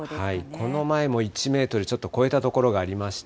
この前も１メートルちょっと超えた所がありました。